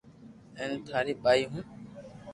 ھين ٽاري بائي ھون